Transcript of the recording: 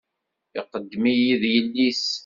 Iqeddem-iyi-d yelli-s.